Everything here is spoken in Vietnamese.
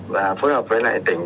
và phối hợp với lại tỉnh